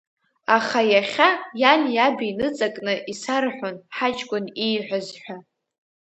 Аха иахьа, иани иаби иныҵакны исарҳәон, ҳаҷкәын ииҳәаз ҳәа…